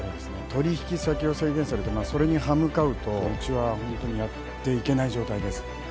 取引先を制限されてそれに歯向かうとうちはホントにやっていけない状態ですね。